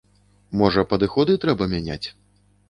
Можа, падыходы трэба мяняць?